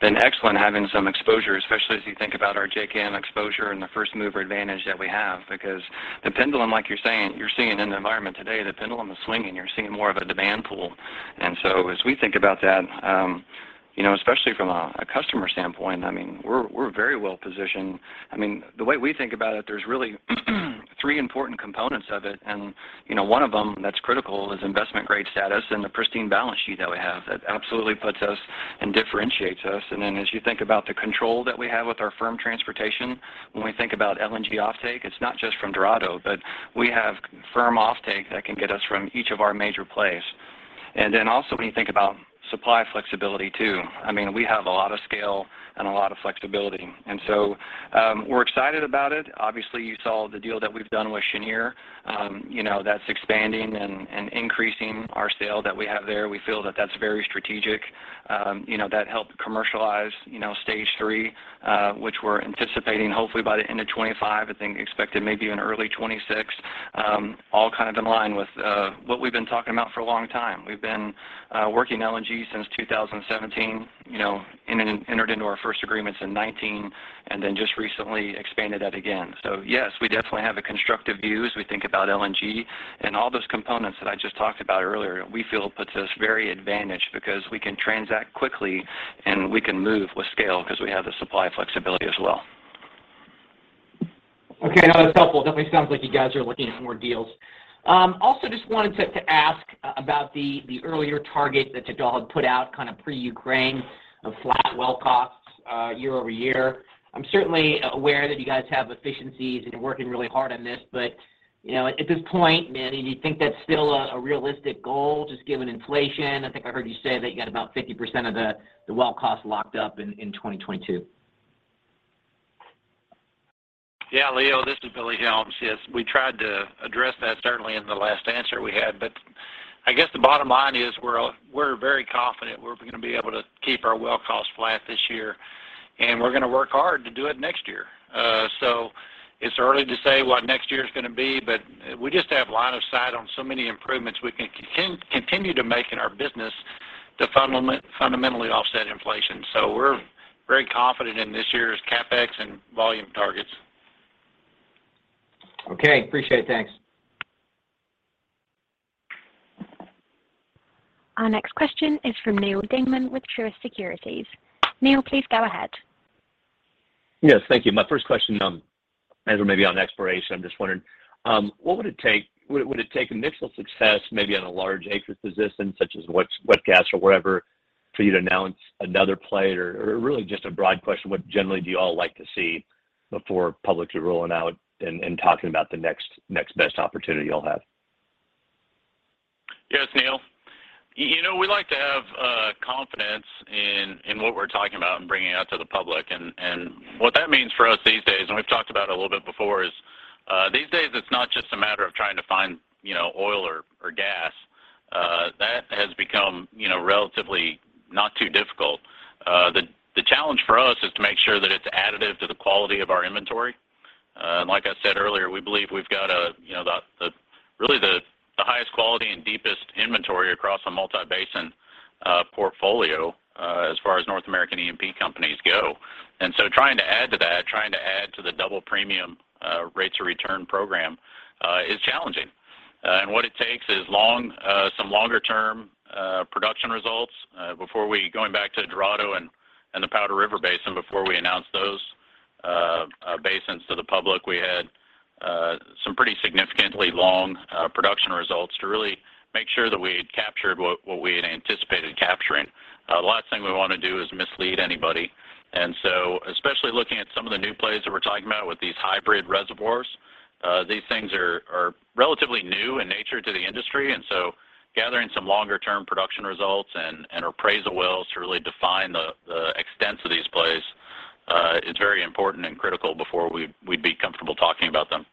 been excellent having some exposure, especially as you think about our JKM exposure and the first mover advantage that we have. Because the pendulum, like you're saying, you're seeing in the environment today, the pendulum is swinging. You're seeing more of a demand pull. We think about that, you know, especially from a customer standpoint. I mean, we're very well-positioned. I mean, the way we think about it, there's really three important components of it. You know, one of them that's critical is investment grade status and the pristine balance sheet that we have. That absolutely puts us and differentiates us. As you think about the control that we have with our firm transportation, when we think about LNG offtake, it's not just from Dorado, but we have firm offtake that can get us from each of our major plays. When you think about supply flexibility, too. I mean, we have a lot of scale and a lot of flexibility. We're excited about it. Obviously, you saw the deal that we've done with Cheniere. You know, that's expanding and increasing our scale that we have there. We feel that that's very strategic. You know, that helped commercialize, you know, stage three, which we're anticipating hopefully by the end of 2025, I think expected maybe in early 2026. All kind of in line with what we've been talking about for a long time. We've been working LNG since 2017, you know, and then entered into our first agreements in 2019, and then just recently expanded that again. Yes, we definitely have a constructive view as we think about LNG. All those components that I just talked about earlier, we feel puts us very advantaged because we can transact quickly and we can move with scale 'cause we have the supply flexibility as well. Okay. No, that's helpful. Definitely sounds like you guys are looking at more deals. Also just wanted to ask about the earlier target that Dorado had put out, kinda pre-Ukraine, of flat well costs, year-over-year. I'm certainly aware that you guys have efficiencies and working really hard on this. You know, at this point, Manny, do you think that's still a realistic goal just given inflation? I think I heard you say that you got about 50% of the well costs locked up in 2022. Yeah, Leo, this is Billy Helms. Yes, we tried to address that certainly in the last answer we had. I guess the bottom line is we're very confident we're gonna be able to keep our well costs flat this year, and we're gonna work hard to do it next year. It's early to say what next year's gonna be, but we just have line of sight on so many improvements we can continue to make in our business to fundamentally offset inflation. We're very confident in this year's CapEx and volume targets. Okay. Appreciate it. Thanks. Our next question is from Neal Dingmann with Truist Securities. Neal, please go ahead. Yes. Thank you. My first question may be on exploration. I'm just wondering what would it take. Would it take an initial success maybe on a large acreage position such as wet gas or whatever for you to announce another play? Or really just a broad question, what generally do you all like to see before publicly rolling out and talking about the next best opportunity you'll have? Yes, Neal. You know, we like to have confidence in what we're talking about and bringing out to the public. What that means for us these days, and we've talked about a little bit before, is these days it's not just a matter of trying to find, you know, oil or gas. That has become, you know, relatively not too difficult. The challenge for us is to make sure that it's additive to the quality of our inventory. Like I said earlier, we believe we've got, you know, really the highest quality and deepest inventory across a multi-basin portfolio, as far as North American E&P companies go. Trying to add to that, trying to add to the double premium rates of return program, is challenging. What it takes is long, some longer term production results. Going back to Dorado and the Powder River Basin, before we announced those basins to the public, we had some pretty significantly long production results to really make sure that we had captured what we had anticipated capturing. The last thing we wanna do is mislead anybody. Especially looking at some of the new plays that we're talking about with these hybrid reservoirs, these things are relatively new in nature to the industry. Gathering some longer term production results and appraisal wells to really define the extents of these. It's very important and critical before we'd be comfortable talking about them.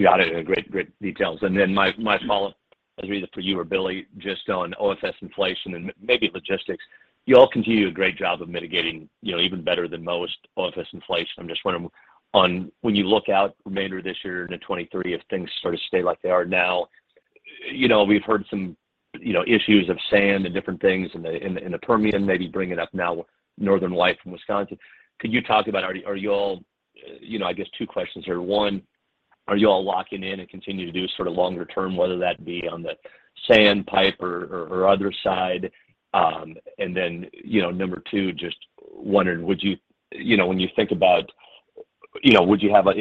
Got it. Great details. Then my follow-up is either for you or Billy, just on OFS inflation and maybe logistics. You all continue to do a great job of mitigating, you know, even better than most OFS inflation. I'm just wondering on when you look out remainder of this year into 2023, if things sort of stay like they are now, you know, we've heard some, you know, issues of sand and different things in the, in the, in the Permian, maybe bringing up now Northern White from Wisconsin. Could you talk about are you all, you know, I guess two questions here. One, are you all locking in and continue to do sort of longer term, whether that be on the sand pipe or other side? You know, number two, just wondering, if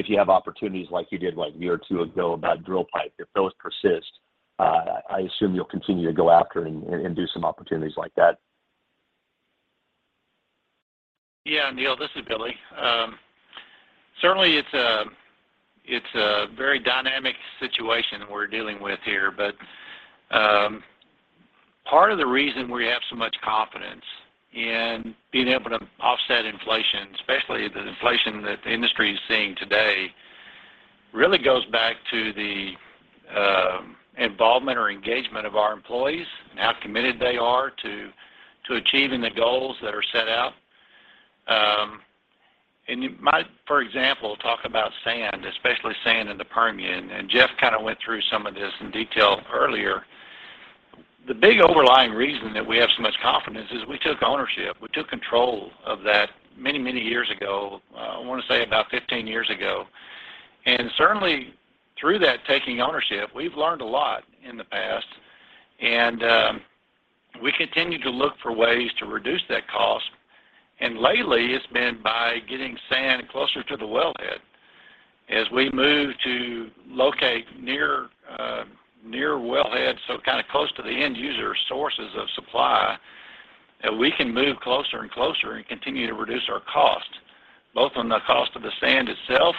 you have opportunities like you did like a year or two ago about drill pipe, if those persist, I assume you'll continue to go after and do some opportunities like that. Yeah, Neal, this is Billy. Certainly it's a very dynamic situation we're dealing with here. Part of the reason we have so much confidence in being able to offset inflation, especially the inflation that the industry is seeing today, really goes back to the involvement or engagement of our employees and how committed they are to achieving the goals that are set out. You might, for example, talk about sand, especially sand in the Permian, and Jeff kind of went through some of this in detail earlier. The big overlying reason that we have so much confidence is we took ownership. We took control of that many, many years ago. I want to say about 15 years ago. Certainly through that taking ownership, we've learned a lot in the past, and we continue to look for ways to reduce that cost. Lately it's been by getting sand closer to the wellhead. As we move to locate near wellhead, so kind of close to the end user sources of supply, that we can move closer and closer and continue to reduce our cost, both on the cost of the sand itself,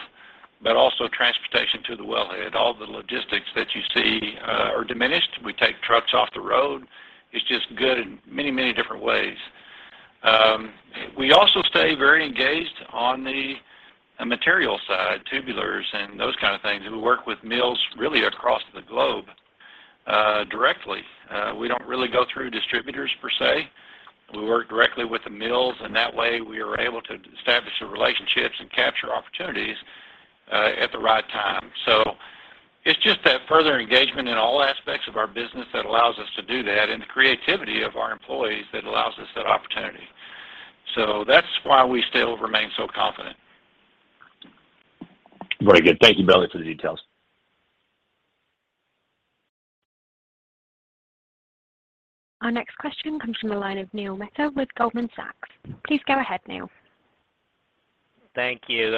but also transportation to the wellhead. All the logistics that you see are diminished. We take trucks off the road. It's just good in many, many different ways. We also stay very engaged on the material side, tubulars and those kind of things. We work with mills really across the globe directly. We don't really go through distributors per se. We work directly with the mills, and that way we are able to establish the relationships and capture opportunities at the right time. It's just that further engagement in all aspects of our business that allows us to do that and the creativity of our employees that allows us that opportunity. That's why we still remain so confident. Very good. Thank you, Billy, for the details. Our next question comes from the line of Neil Mehta with Goldman Sachs. Please go ahead, Neal. Thank you,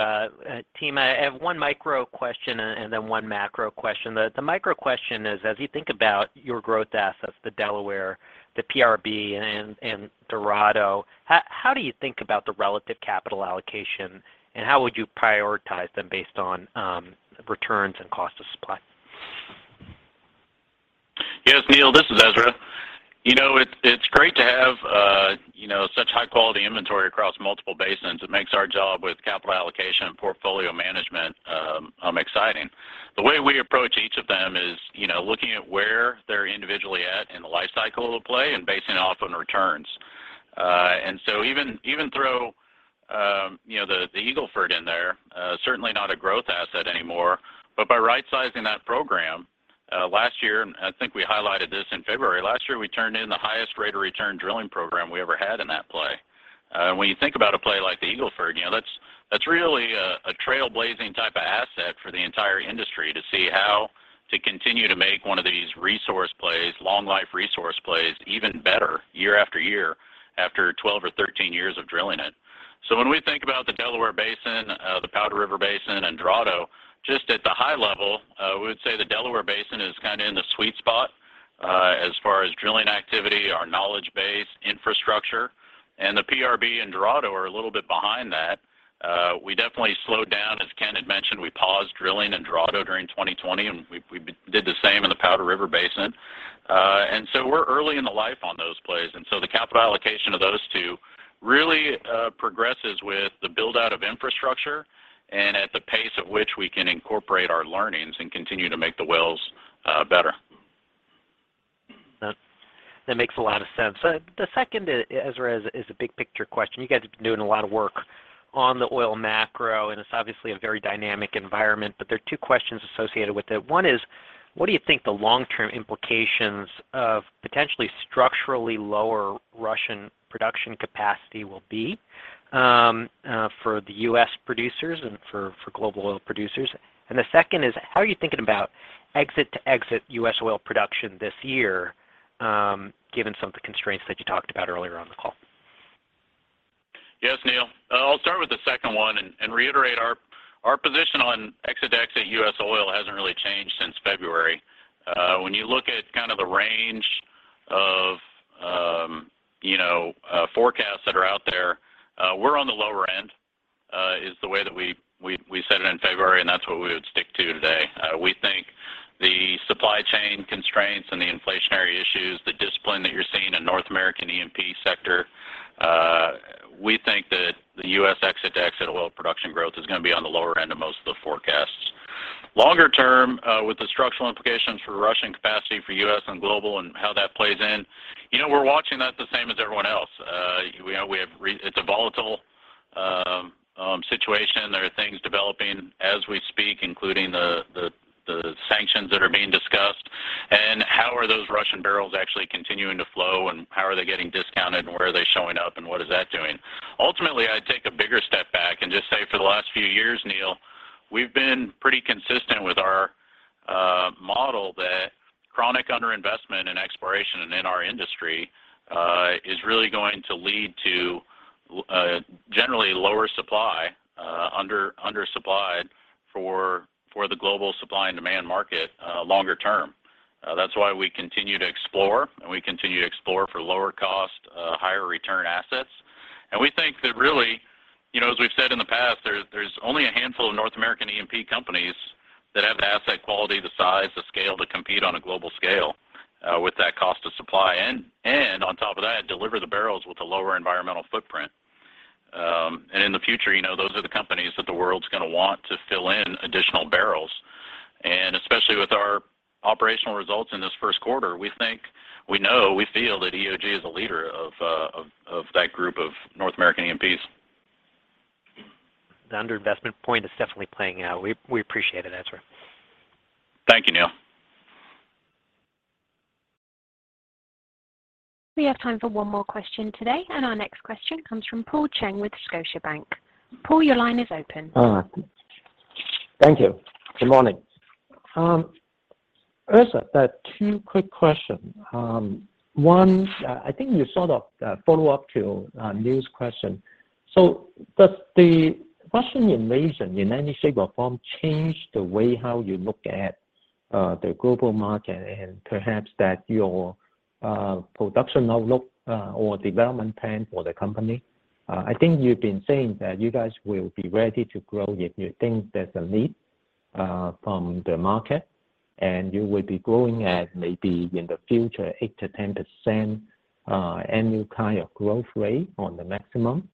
team. I have one micro question and then one macro question. The micro question is, as you think about your growth assets, the Delaware, the PRB and Dorado, how do you think about the relative capital allocation, and how would you prioritize them based on returns and cost of supply? Yes, Neil, this is Ezra. You know, it's great to have you know, such high-quality inventory across multiple basins. It makes our job with capital allocation and portfolio management exciting. The way we approach each of them is you know, looking at where they're individually at in the life cycle of the play and basing it off of returns. Even though you know, the Eagle Ford in there, certainly not a growth asset anymore. By right-sizing that program last year, and I think we highlighted this in February last year, we turned in the highest rate of return drilling program we ever had in that play. When you think about a play like the Eagle Ford, you know, that's really a trailblazing type of asset for the entire industry to see how to continue to make one of these resource plays, long life resource plays, even better year after year after 12 or 13 years of drilling it. When we think about the Delaware Basin, the Powder River Basin, and Dorado, just at the high level, we would say the Delaware Basin is kind of in the sweet spot, as far as drilling activity, our knowledge base, infrastructure, and the PRB and Dorado are a little bit behind that. We definitely slowed down. As Ken had mentioned, we paused drilling in Dorado during 2020, and we did the same in the Powder River Basin. We're early in the life on those plays, and so the capital allocation of those two really progresses with the build-out of infrastructure and at the pace at which we can incorporate our learnings and continue to make the wells better. That makes a lot of sense. The second, Ezra, is a big picture question. You guys have been doing a lot of work on the oil macro, and it's obviously a very dynamic environment, but there are two questions associated with it. One is, what do you think the long-term implications of potentially structurally lower Russian production capacity will be for the U.S. producers and for global oil producers? The second is, how are you thinking about exit-to-exit U.S. oil production this year, given some of the constraints that you talked about earlier on the call? Yes, Neil. I'll start with the second one and reiterate our position on exit-to-exit U.S. oil hasn't really changed since February. When you look at kind of the range of, you know, forecasts that are out there, we're on the lower end. We said it in February, and that's what we would stick to today. We think the supply chain constraints and the inflationary issues, the discipline that you're seeing in North American E&P sector, we think that the U.S. exit-to-exit oil production growth is gonna be on the lower end of most of the forecasts. Longer term, with the structural implications for Russian capacity for U.S. and global and how that plays in, you know, we're watching that the same as everyone else. It's a volatile situation. There are things developing as we speak, including the sanctions that are being discussed. How are those Russian barrels actually continuing to flow, and how are they getting discounted, and where are they showing up, and what is that doing? Ultimately, I take a bigger step back and just say for the last few years, Neil, we've been pretty consistent with our model that chronic underinvestment in exploration and in our industry is really going to lead to generally lower supply under-supplied for the global supply and demand market longer term. That's why we continue to explore, and we continue to explore for lower cost higher return assets. We think that really, you know, as we've said in the past, there's only a handful of North American E&P companies that have the asset quality, the size, the scale to compete on a global scale, with that cost of supply. On top of that, deliver the barrels with a lower environmental footprint. In the future, you know, those are the companies that the world's gonna want to fill in additional barrels. Especially with our operational results in this first quarter, we feel that EOG is a leader of that group of North American E&Ps. The underinvestment point is definitely playing out. We appreciate it, Ezra. Thank you, Neil. We have time for one more question today, and our next question comes from Paul Cheng with Scotiabank. Paul, your line is open. Uh-huh. Thank you. Good morning. Ezra, two quick questions. One, I think you sort of follow up to Neil's question. Does the Russian invasion in any shape or form change the way how you look at the global market and perhaps that your production outlook or development plan for the company? I think you've been saying that you guys will be ready to grow if you think there's a need from the market, and you will be growing at maybe in the future 8%-10% annual kind of growth rate on the maximum.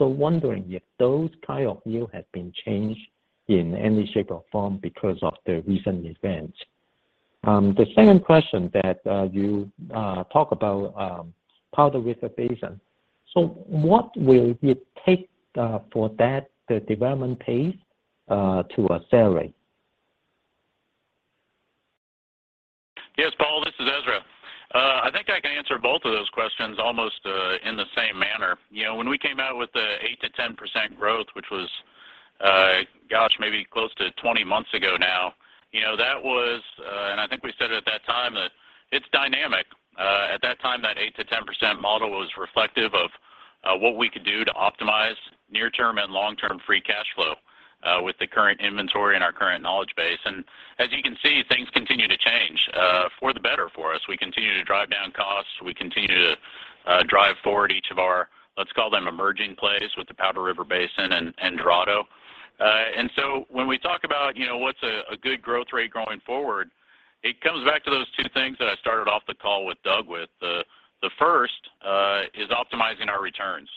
Wondering if those kind of view have been changed in any shape or form because of the recent events. The second question that you talk about Powder River Basin. What will it take for that, the development pace, to accelerate? Yes, Paul, this is Ezra. I think I can answer both of those questions almost in the same manner. You know, when we came out with the 8%-10% growth, which was, gosh, maybe close to 20 months ago now, you know, that was, and I think we said it at that time, that it's dynamic. At that time, that 8%-10% model was reflective of what we could do to optimize near-term and long-term free cash flow with the current inventory and our current knowledge base. As you can see, things continue to change for the better for us. We continue to drive down costs. We continue to drive forward each of our, let's call them emerging plays with the Powder River Basin and Dorado. When we talk about, you know, what's a good growth rate going forward, it comes back to those two things that I started off the call with Doug with. The first is optimizing our returns.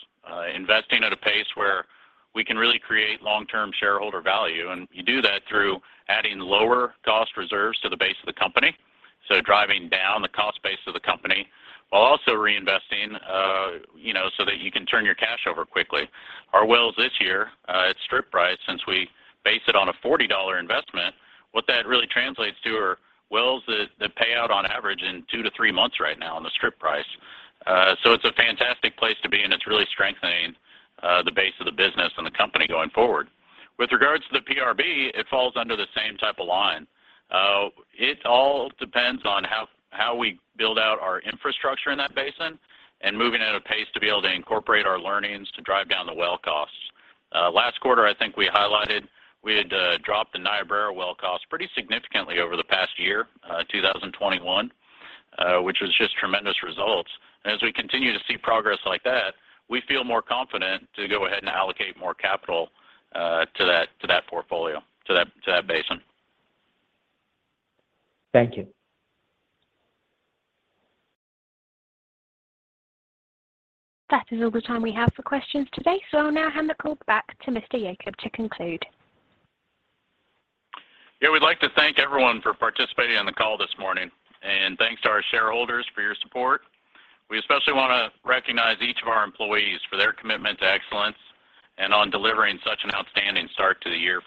Investing at a pace where we can really create long-term shareholder value, and you do that through adding lower cost reserves to the base of the company. Driving down the cost base of the company while also reinvesting, you know, so that you can turn your cash over quickly. Our wells this year, at strip price, since we base it on a $40 investment, what that really translates to are wells that pay out on average in two to three months right now on the strip price. So it's a fantastic place to be, and it's really strengthening the base of the business and the company going forward. With regards to the PRB, it falls under the same type of line. It all depends on how we build out our infrastructure in that basin and moving at a pace to be able to incorporate our learnings to drive down the well costs. Last quarter, I think we highlighted we had dropped the Niobrara well cost pretty significantly over the past year, 2021, which was just tremendous results. As we continue to see progress like that, we feel more confident to go ahead and allocate more capital to that portfolio, to that basin. Thank you. That is all the time we have for questions today, so I'll now hand the call back to Mr. Yacob to conclude. Yeah, we'd like to thank everyone for participating on the call this morning. Thanks to our shareholders for your support. We especially wanna recognize each of our employees for their commitment to excellence and on delivering such an outstanding start to the year for EOG.